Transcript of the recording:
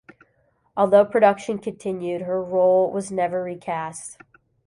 Although production continued, her role was never recast.